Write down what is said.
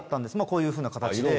こういうふうな形で。